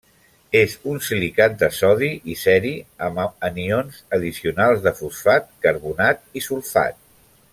És un silicat de sodi i ceri amb anions addicionals de fosfat, carbonat i sulfat.